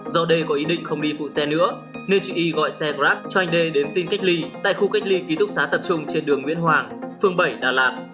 do d có ý định không đi phụ xe nữa nên chị y gọi xe grab cho anh đê đến xin cách ly tại khu cách ly ký túc xá tập trung trên đường nguyễn hoàng phương bảy đà lạt